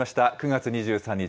９月２３日